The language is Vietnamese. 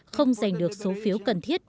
không giành được số phiếu cần thiết